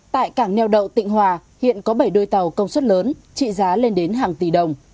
tại cảng neo đậu tịnh hòa hiện có bảy đôi tàu công suất lớn trị giá lên đến hàng tỷ đồng